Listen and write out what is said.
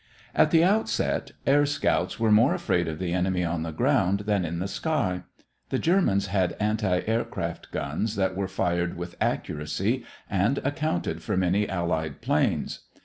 At the outset, air scouts were more afraid of the enemy on the ground than in the sky. The Germans had anti aircraft guns that were fired with accuracy and accounted for many Allied planes.